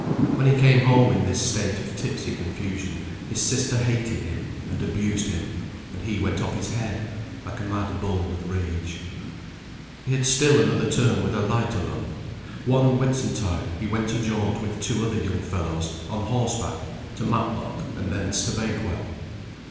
When he came home in this state of tipsy confusion his sister hated him and abused him, and he went off his head, like a mad bull with rage. He had still another turn with a light o' love. One Whitsuntide he went a jaunt with two other young fellows, on horseback, to Matlock and thence to Bakewell.